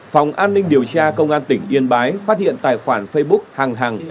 phòng an ninh điều tra công an tỉnh yên bái phát hiện tài khoản facebook hàng